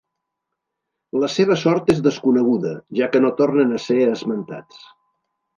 La seva sort és desconeguda, ja que no tornen a ser esmentats.